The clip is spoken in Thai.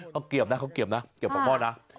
เขาเกลียบนะเขาเกลียบนะเกลียบปักหม้อนะอ่าฮะ